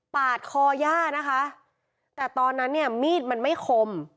ปาดคอย่านะคะแต่ตอนนั้นเนี่ยมีดมันไม่คม